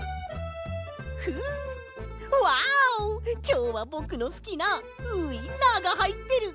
きょうはぼくのすきなウインナーがはいってる！